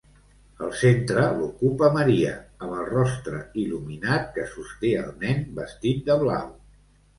El centre l'ocupa Maria, amb el rostre il·luminat, que sosté el nen, vestit de blau.